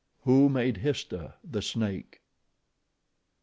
Who made Histah, the snake?